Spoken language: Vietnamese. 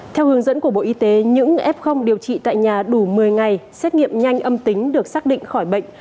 theo hướng dẫn của bộ y tế những f điều trị tại nhà đủ một mươi ngày xét nghiệm nhanh âm tính được xác định khỏi bệnh